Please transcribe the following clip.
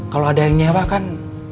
kalau ada yang nyewa kan